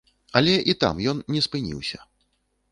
Але і там ён не спыніўся.